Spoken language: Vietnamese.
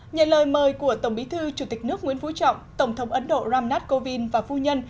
nhờ lời mời của tổng bí thư chủ tịch nước nguyễn phú trọng tổng thống ấn độ ram nath kovind và phu nhân